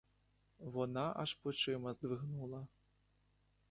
Вона аж плечима здвигнула.